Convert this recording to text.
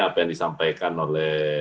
apa yang disampaikan oleh